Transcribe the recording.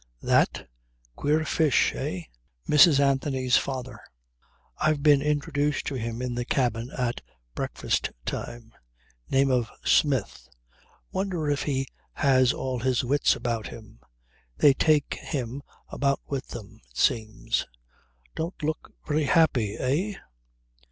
"That? Queer fish eh? Mrs. Anthony's father. I've been introduced to him in the cabin at breakfast time. Name of Smith. Wonder if he has all his wits about him. They take him about with them, it seems. Don't look very happy eh?"